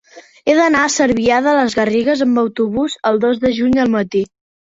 He d'anar a Cervià de les Garrigues amb autobús el dos de juny al matí.